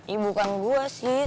ini bukan gue sih